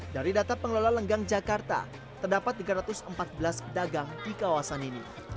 dari data pengelola lenggang jakarta terdapat tiga ratus empat belas pedagang di kawasan ini